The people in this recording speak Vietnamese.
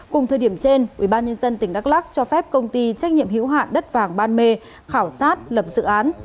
cùng thời điểm trên ubnd tỉnh đắk lắc cho phép công ty trách nhiệm hữu hạn đất vàng ban mê khảo sát lập dự án